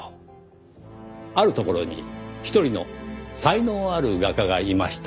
あるところに一人の才能ある画家がいました。